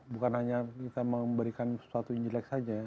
bukan hanya kita memberikan sesuatu yang jelek saja ya